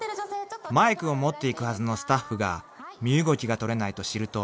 ［マイクを持っていくはずのスタッフが身動きが取れないと知ると］